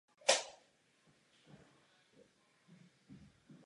Abychom to mohli učinit, potřebujeme novou regulaci.